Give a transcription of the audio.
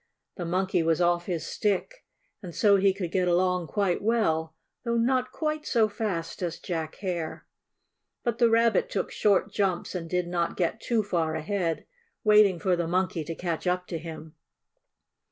The Monkey was off his stick, and so he could get along quite well, though not quite so fast as Jack Hare. But the Rabbit took short jumps and did not get too far ahead, waiting for the Monkey to catch up to him.